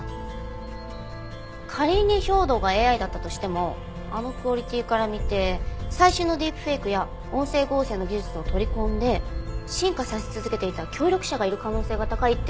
仮に兵働がＡＩだったとしてもあのクオリティーから見て最新のディープフェイクや音声合成の技術を取り込んで進化させ続けていた協力者がいる可能性が高いって君嶋さんが。